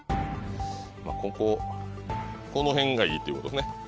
まぁこここの辺がいいということですね。